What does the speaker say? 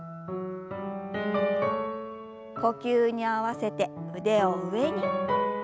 呼吸に合わせて腕を上に。